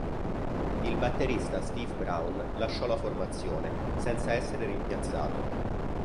Il batterista Steve Brown lasciò la formazione, senza essere rimpiazzato.